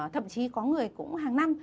thậm chí có người cũng hàng năm